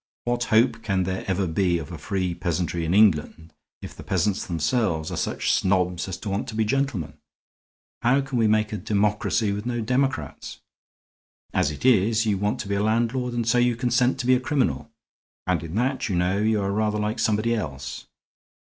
What hope can there ever be of a free peasantry in England if the peasants themselves are such snobs as to want to be gentlemen? How can we make a democracy with no democrats? As it is, you want to be a landlord and so you consent to be a criminal. And in that, you know, you are rather like somebody else.